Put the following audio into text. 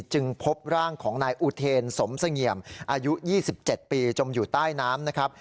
จึงพบร่างของนายอุเทรนสมสงเงียมอายุ๒๗ปีจมอยู่ใต้น้ำ